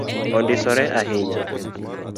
Ondisore ahinya